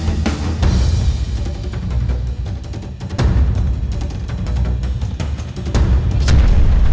enggak enggak enggak